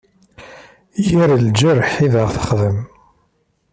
Yir leǧreḥ i d aɣ-texdem.